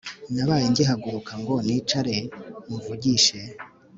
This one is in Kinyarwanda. nabaye ngihaguruka ngo nicare muvugishe